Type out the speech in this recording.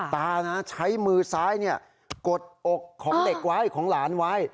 ตาใช้มือซ้ายกดอกของเด็กไว้ของหลานไว้